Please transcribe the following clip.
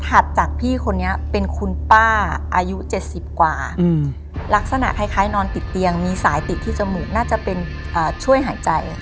ถัดจากพี่คนนี้เป็นคุณป้าอายุ๗๐กว่าลักษณะคล้ายนอนติดเตียงมีสายติดที่จมูกน่าจะเป็นช่วยหายใจ